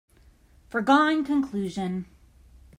Foregone conclusion